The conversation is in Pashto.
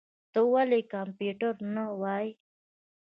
ته ولي کمپيوټر نه وايې؟